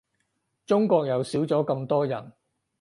中國又少咗咁多人